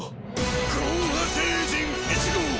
ゴーハ星人１号！